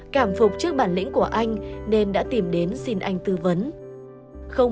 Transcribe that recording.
cảm phục trước bản lĩnh của anh nên đã tìm đến xin anh thông